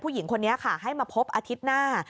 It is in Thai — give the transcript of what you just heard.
ผู้หญิงคนนี้ค่ะให้มาพบอาทิตย์หน้า